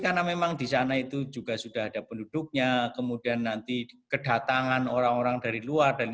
karena memang di sana itu juga sudah ada penduduknya kemudian nanti kedatangan orang orang dari luar dan